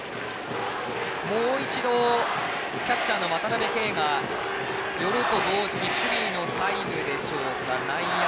もう一度、キャッチャーの渡辺憩が寄ると同時に守備のタイムでしょうか。